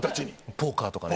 ポーカーとかね。